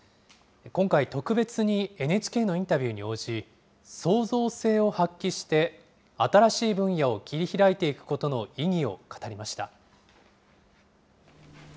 今回、特別にＮＨＫのインタビューに応じ、創造性を発揮して、新しい分野を切り開いていくことの意義を語りました。